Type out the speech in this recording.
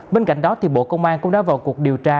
bên cạnh đó bộ công an cũng đã vào cuộc điều tra